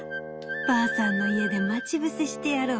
ばあさんのいえでまちぶせしてやろう。